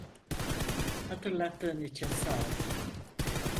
Hatırlattığın için sağ ol.